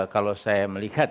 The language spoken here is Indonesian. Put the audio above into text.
kalau saya melihat